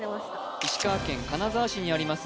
石川県金沢市にあります